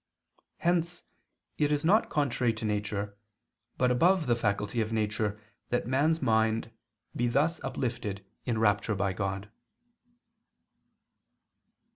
Hence it is not contrary to nature, but above the faculty of nature that man's mind be thus uplifted in rapture by God.